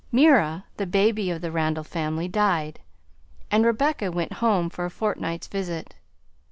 Mira, the baby of the Randall family, died, and Rebecca went home for a fortnight's visit.